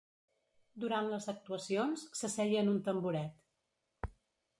Durant les actuacions, s'asseia en un tamboret.